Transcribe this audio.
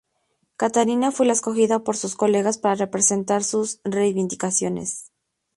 Catarina fue la escogida por sus colegas para presentar sus reivindicaciones.